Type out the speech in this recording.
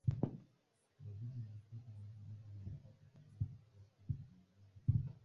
Gazeti la Africa Mashariki limepata taarifa kuwa Kenya na Uganda walikataa uamuzi wa zoezi la uhakiki lililotakiwa kufanyika